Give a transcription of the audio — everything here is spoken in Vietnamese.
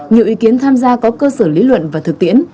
nhiều ý kiến tham gia có cơ sở lý luận và thực tiễn